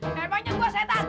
emangnya gua setan